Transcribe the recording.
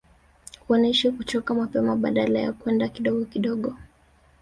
Wanaishia kuchoka mapema badala ya kwenda kidogo kidogo